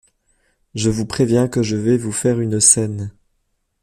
Je vous préviens que je vais vous faire une scène.